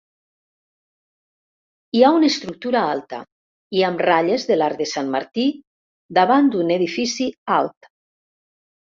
Hi ha una estructura alta i amb ratlles de l'arc de sant Martí davant d'un edifici alt.